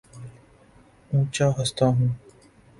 اونچا ہنستا ہوں